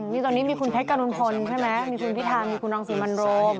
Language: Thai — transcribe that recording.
มีตอนนี้มีคุณเพชรกรุณพลใช่ไหมมีคุณพิธามีคุณรังสิมันโรม